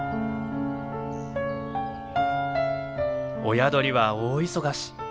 親鳥は大忙し。